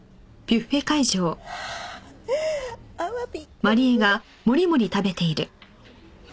アワビ。